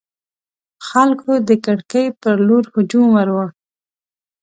خلکو د کړکۍ پر لور هجوم وروړ.